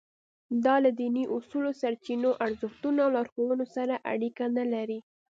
دا له دیني اصولو، سرچینو، ارزښتونو او لارښوونو سره اړیکه نه لري.